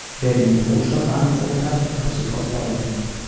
Wer genug Rohstoffe angesammelt hat, darf sofort bauen.